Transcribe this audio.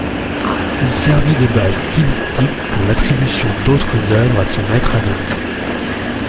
Il servit de base stylistique pour l'attribution d'autres œuvres à ce Maître anonyme.